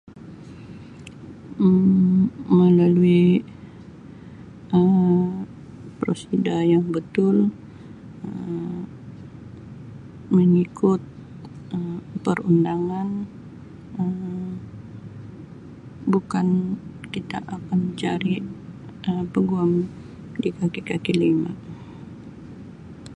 Um melalui Um prosedur yang betul Um mengikut Um perundangan Um bukan kita akan cari Um peguam di kaki kaki lima.